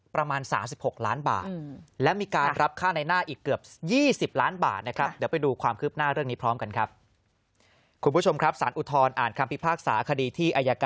ประมาณ๓๖ล้านบาท